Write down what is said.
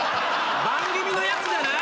番組のやつじゃない？